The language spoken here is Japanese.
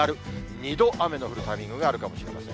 ２度雨の降るタイミングがあるかもしれません。